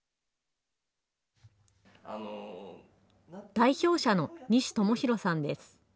代表者の西智弘さんです。